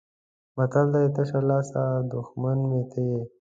متل دی: تشه لاسه دښمن مې ته یې.